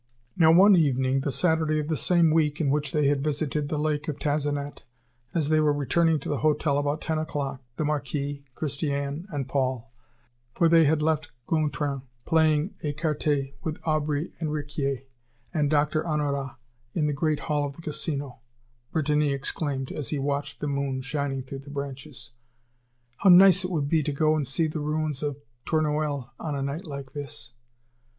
Now, one evening, the Saturday of the same week in which they had visited the lake of Tazenat, as they were returning to the hotel about ten o'clock, the Marquis, Christiane, and Paul, for they had left Gontran playing écarté with Aubrey and Riquier and Doctor Honorat in the great hall of the Casino, Bretigny exclaimed, as he watched the moon shining through the branches: "How nice it would be to go and see the ruins of Tournoel on a night like this!"